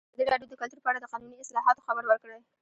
ازادي راډیو د کلتور په اړه د قانوني اصلاحاتو خبر ورکړی.